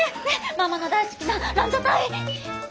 ママの大好きなランジャタイ。